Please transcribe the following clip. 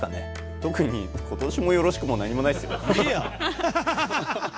特に今年もよろしくも何もないですよ。